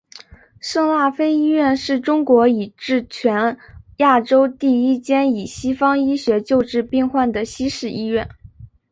圣辣非医院是中国以至全亚洲第一间以西方医学救治病患的西式医院。